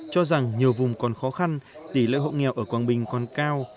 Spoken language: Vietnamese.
cho rằng nhiều vùng còn khó khăn tỷ lợi hộ nghèo ở quang bình còn cao